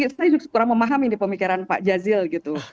saya kurang memahami pemikiran pak jazil gitu